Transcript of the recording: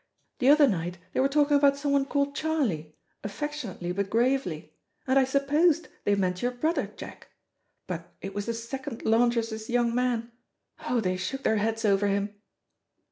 The other night they were talking about someone called 'Charlie,' affectionately but gravely, and I supposed they meant your brother, Jack, but it was the second laundress's young man. Oh, they shook their heads over him."